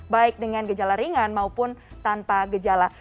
baik dengan gejala ringan maupun tanpa gejala